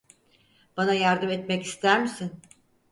Bana yardım etmek ister misin?